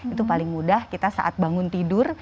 itu paling mudah kita saat bangun tidur